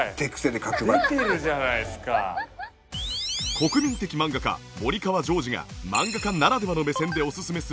国民的漫画家森川ジョージが漫画家ならではの目線でおすすめする